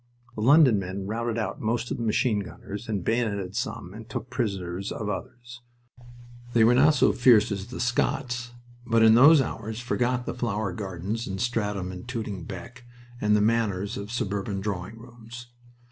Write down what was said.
The London men routed out most of the machine gunners and bayoneted some and took prisoners of others. They were not so fierce as the Scots, but in those hours forgot the flower gardens in Streatham and Tooting Bec and the manners of suburban drawing rooms..